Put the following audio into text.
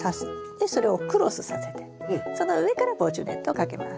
でそれをクロスさせてその上から防虫ネットをかけます。